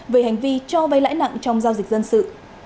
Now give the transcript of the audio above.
về hành vi cho vay lãi nặng trong giao dịch dân sự